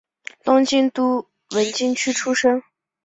东京都文京区出身。